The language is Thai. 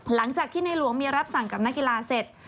หลังจากที่ในหลวงมีรับสั่งกับนักกีฬาเสร็จ